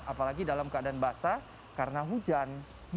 apalagi dalam keadaan basah karena hujan